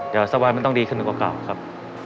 เดี๋ยวสบายมันต้องดีขึ้นกว่าเก่าครับ